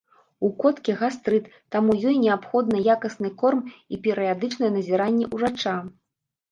У коткі гастрыт, таму ёй неабходны якасны корм і перыядычнае назіранне ўрача.